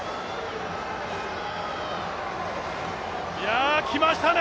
いや、きましたね